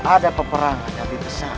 ada peperang yang lebih besar